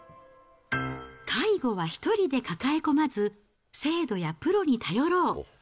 介護は一人で抱え込まず、制度やプロに頼ろう。